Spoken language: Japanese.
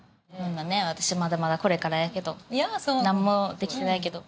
私まだまだこれからやけどなんもできてないけど。